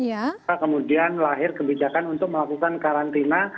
maka kemudian lahir kebijakan untuk melakukan karantina